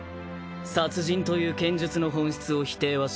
殺人という剣術の本質を否定はしない。